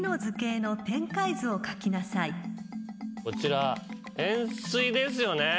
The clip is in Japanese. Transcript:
こちら円すいですよね。